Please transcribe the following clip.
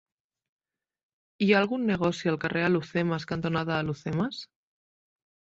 Hi ha algun negoci al carrer Alhucemas cantonada Alhucemas?